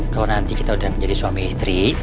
kalo nanti kita udah menjadi suami istri